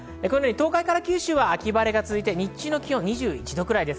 東海から九州は秋晴れが続いて、日中の気温も２１度くらい。